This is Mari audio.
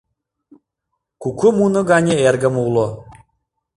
Куку муно гане эргым уло